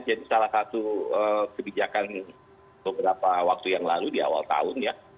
jadi salah satu kebijakan beberapa waktu yang lalu di awal tahun ya